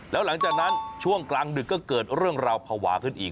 แล้วหลังจากนั้นช่วงกลางดึกก็เกิดเรื่องราวภาวะขึ้นอีก